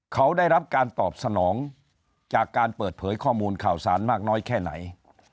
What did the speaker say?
เขาได้รับการตอบสนองจากการเปิดเผยข้อมูลข่าวสารมากน้อยแค่ไหน